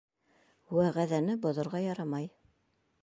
Вәғәҙәне боҙорға ярамай.